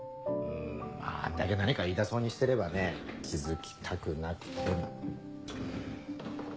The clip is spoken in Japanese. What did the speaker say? んまぁあんだけ何か言いたそうにしてればね気付きたくなくても。